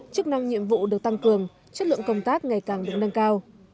chức năng nhiệm vụ được tăng cường chất lượng công tác ngày càng được nâng cao